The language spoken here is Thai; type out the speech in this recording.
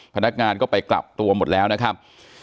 พนักงานก็ไปกลับตัวหมดแล้วนะครับ